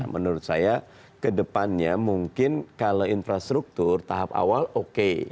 menurut saya kedepannya mungkin kalau infrastruktur tahap awal oke